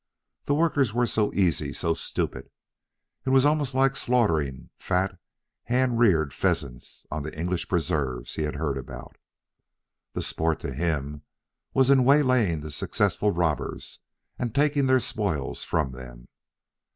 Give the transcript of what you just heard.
The workers were so easy, so stupid. It was more like slaughtering fat hand reared pheasants on the English preserves he had heard about. The sport to him, was in waylaying the successful robbers and taking their spoils from them.